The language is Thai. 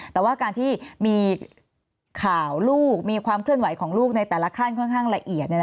แต่ว่าการที่มีข่าวลูกมีความเคลื่อนไหวของลูกในแต่ละขั้นค่อนข้างละเอียด